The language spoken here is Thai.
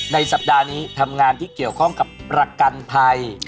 สัปดาห์นี้ทำงานที่เกี่ยวข้องกับประกันภัย